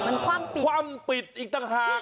มันความปิดทั้งห้าง